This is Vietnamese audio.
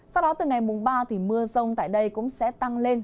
sau đó từ ngày mùng ba thì mưa rông tại đây cũng sẽ tăng lên